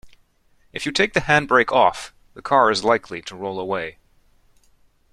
If you take the handbrake off, the car is likely to roll away